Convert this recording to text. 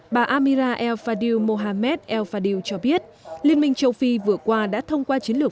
bà amira el fadil mohamed el fadio cho biết liên minh châu phi vừa qua đã thông qua chiến lược